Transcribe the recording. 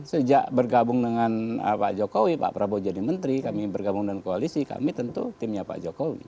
sejak bergabung dengan pak jokowi pak prabowo jadi menteri kami bergabung dengan koalisi kami tentu timnya pak jokowi